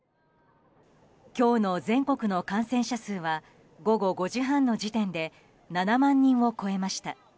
今日の全国の感染者数は午後５時半の時点で７万人を超えました。